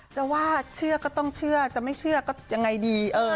จะว่าเชื่อก็ต้องเชื่อจะไม่เชื่อก็ยังไงดี